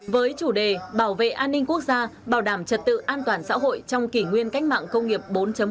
với chủ đề bảo vệ an ninh quốc gia bảo đảm trật tự an toàn xã hội trong kỷ nguyên cách mạng công nghiệp bốn